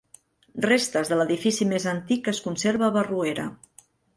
Restes de l'edifici més antic que es conserva a Barruera.